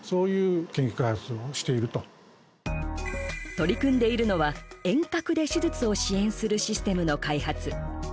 取り組んでいるのは遠隔で手術を支援するシステムの開発。